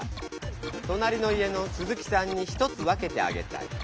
となりの家のスズキさんに１つ分けてあげたい。